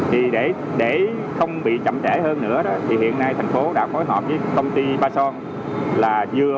thì để để không bị chậm trễ hơn nữa đó thì hiện nay thành phố đã phối hợp với công ty bason là vừa